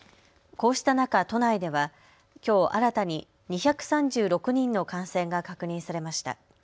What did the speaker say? こうした中、都内ではきょう新たに２３６人の感染が確認されました。